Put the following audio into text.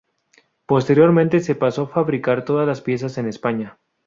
Posteriormente se pasó a fabricar todas las piezas en España.